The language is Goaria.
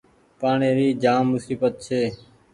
پآڻيٚ ري جآم مسيبت ڇي۔